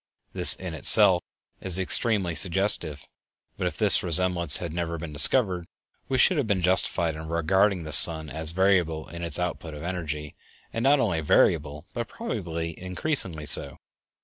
This in itself is extremely suggestive; but if this resemblance had never been discovered, we should have been justified in regarding the sun as variable in its output of energy; and not only variable, but probably increasingly so.